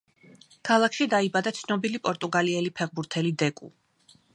ქალაქში დაიბადა ცნობილი პორტუგალიელი ფეხბურთელი დეკუ.